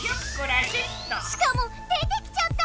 しかも出てきちゃった！